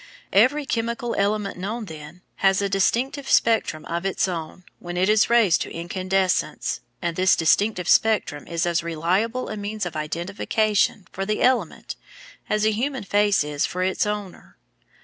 ] Every chemical element known, then, has a distinctive spectrum of its own when it is raised to incandescence, and this distinctive spectrum is as reliable a means of identification for the element as a human face is for its owner.